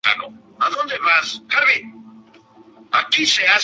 Fueron al garaje de Peligro, y allí fue donde Flea conoció a Frusciante.